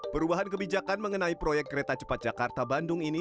perubahan kebijakan mengenai proyek kereta cepat jakarta bandung ini